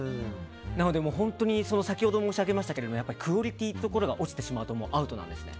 なので本当に先ほども申し上げましたけどクオリティーというところが落ちてしまうとアウトなんですね。